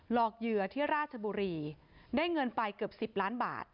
อกเหยื่อที่ราชบุรีได้เงินไปเกือบ๑๐ล้านบาท